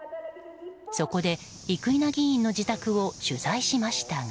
そこで生稲議員の自宅を取材しましたが。